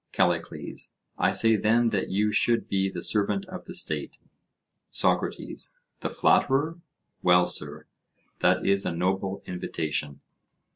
CALLICLES: I say then that you should be the servant of the State. SOCRATES: The flatterer? well, sir, that is a noble invitation.